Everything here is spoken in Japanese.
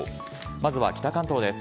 まずは北関東です。